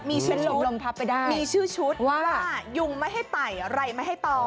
มีชื่อชุดมีชื่อชุดว่ายุ่งไม่ให้ไต่ไรไม่ให้ตอบ